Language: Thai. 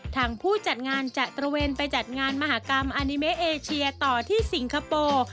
ทางผู้จัดงานจะตระเวนไปจัดงานมหากรรมอานิเมเอเชียต่อที่สิงคโปร์